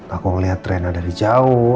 aku ngeliat trennya dari jauh